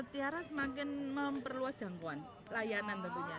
tiara semakin memperluas jangkauan layanan tentunya